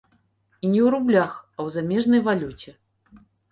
І не ў рублях, а ў замежнай валюце.